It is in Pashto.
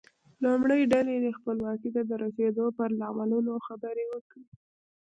لومړۍ ډله دې خپلواکۍ ته د رسیدو پر لاملونو خبرې وکړي.